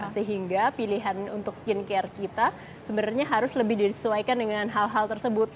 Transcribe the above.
sehingga pilihan untuk skincare kita sebenarnya harus lebih disesuaikan dengan hal hal tersebut